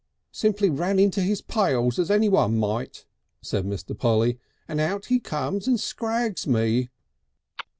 "Simply ran into his pails as anyone might," said Mr. Polly, "and out he comes and scrags me!"